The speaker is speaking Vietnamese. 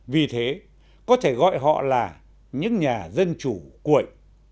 vì thế có thể gọi họ là những nhà dân chủ cuội